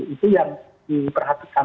itu yang diperhatikan